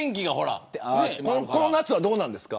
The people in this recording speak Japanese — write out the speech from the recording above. この夏はどうなんですか。